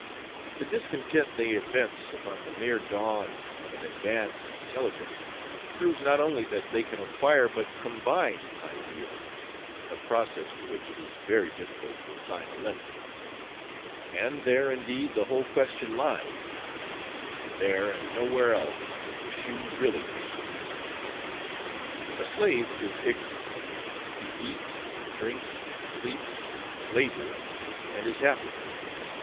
The discontent they evince upon the mere dawn of an advance in intelligence proves not only that they can acquire but combine ideas, a process to which it is very difficult to assign a limit; and there indeed the whole question lies, and there and nowhere else the shoe really pinches. A slave is ignorant; he eats, drinks, sleeps, labours, and is happy.